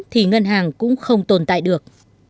thì ngân hàng cũng không tồn tại được